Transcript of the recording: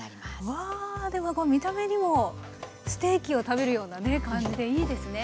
わあ見た目にもステーキを食べるような感じでいいですね！